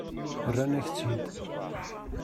Rran-ak-tt-id.